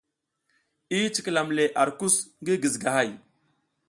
I cikilam le ar kus ngi gizigahay.